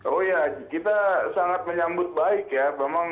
oh ya kita sangat menyambut baik ya